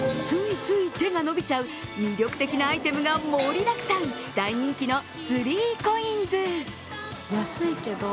ついつい手が伸びちゃう魅力的なアイテムが盛りだくさん大人気の３ＣＯＩＮＳ。